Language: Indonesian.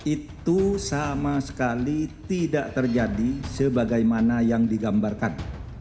itu sama sekali tidak terjadi sebagaimana yang digambarkan